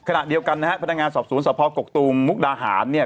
ขณะเดียวกันนะฮะพนักงานสอบสวนสภกกตูมมุกดาหารเนี่ย